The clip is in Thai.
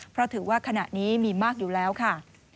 เพราะถือว่าขณะนี้มีมากอยู่แล้วค่ะ